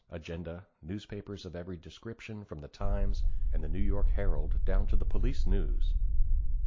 agenda, newspapers of every description from the Times and the New York Herald down to the Police News.